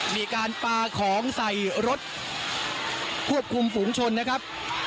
มีการปลาของใส่รถควบคุมฝูงชนนะครับ